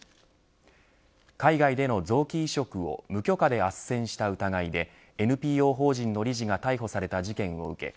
海外での臓器移植を無許可であっせんした疑いでＮＰＯ法人の理事が逮捕された事件を受け